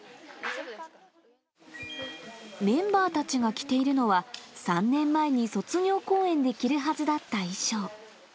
メンバーたちが着ているのは、３年前に卒業公演で着るはずだった衣装。